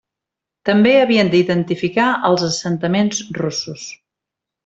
També havien d'identificar els assentaments russos.